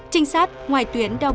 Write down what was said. trinh sát ngoài tuyến đau khổ